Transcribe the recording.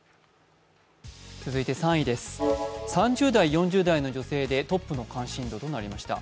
続いて３位です、３０代・４０代の女性でトップの関心度となりました。